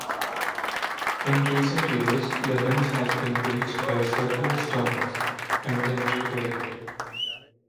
In recent years The Hinge has been breached by several storms and then repaired.